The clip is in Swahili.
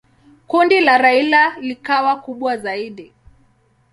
Kundi la Raila likawa kubwa zaidi.